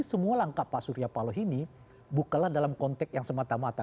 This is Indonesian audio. semua langkah pak surya paloh ini bukanlah dalam konteks yang semata mata